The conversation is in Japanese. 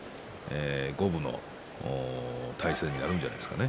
五分の対戦になるんじゃないです